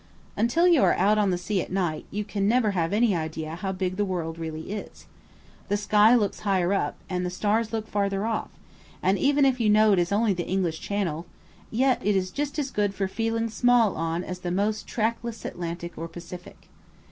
Until you are out on the sea at night you can never have any idea how big the world really is. The sky looks higher up, and the stars look further off, and even if you know it is only the English Channel, yet it is just as good for feeling small on as the most trackless Atlantic or Pacific.